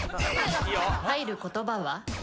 入る言葉は？